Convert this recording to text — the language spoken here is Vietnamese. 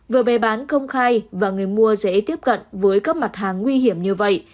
vừa bày bán công khai và người mua dễ tiếp cận với các mặt hàng nguy hiểm như vậy